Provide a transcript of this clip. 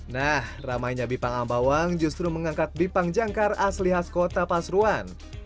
nah ramainya bipang ambawang justru mengangkat bipang jangkar asli khas kota pasuruan